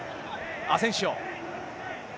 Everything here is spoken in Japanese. アセンシオ。